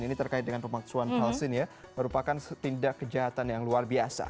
ini terkait dengan pemalsuan vaksin ya merupakan tindak kejahatan yang luar biasa